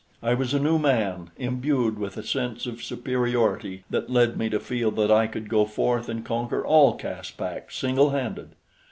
I was a new man, imbued with a sense of superiority that led me to feel that I could go forth and conquer all Caspak single handed.